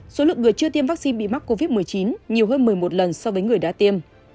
số lượng người chưa tiêm vaccine bị mắc covid một mươi chín nhiều hơn một mươi một lần so với người đã tiêm